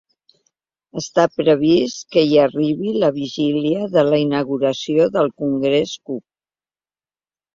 Està previst que hi arribi la vigília de la inauguració del Congrés Cook.